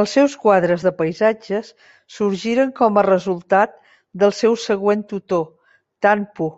Els seus quadres de paisatges sorgiren com a resultat del seu següent tutor Tan Pu.